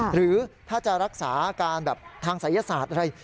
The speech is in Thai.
หรือถ้าจะรักษาอาการแบบทางศัยศาสตร์อะไร